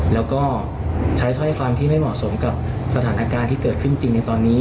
แล้วก็ใช้ถ้อยความที่ไม่เหมาะสมกับสถานการณ์ที่เกิดขึ้นจริงในตอนนี้